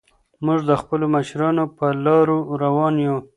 موږ د خپلو مشرانو په لارو روان یو.